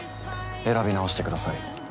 選び直してください。